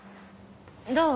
どう？